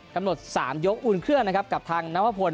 กำหนด๓ยกอุ่นเครื่องนะครับกับทางนวพล